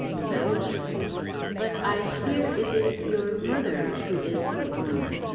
in Belgium. But I ... hear ... it ... is ... your mother ... who is the owner